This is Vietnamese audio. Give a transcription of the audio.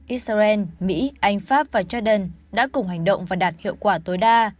israel mỹ anh pháp và jordan đã cùng hành động và đạt hiệu quả tối đa